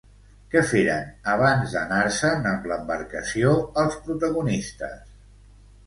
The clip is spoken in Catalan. Què feren abans d'anar-se'n amb l'embarcació els protagonistes?